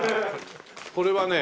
これはね